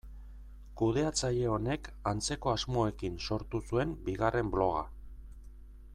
Kudeatzaile honek antzeko asmoekin sortu zuen bigarren bloga.